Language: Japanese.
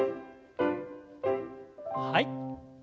はい。